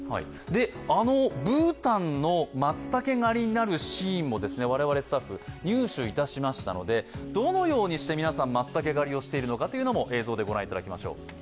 ブータンの松茸狩りなるシーンも我々スタッフ、入手いたしましたので、どのようにして皆さん松茸狩りをしているのかも映像でご覧いただきましょう。